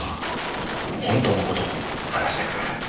本当の事を話してください。